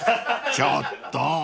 ［ちょっと］